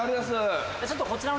ちょっとこちらの。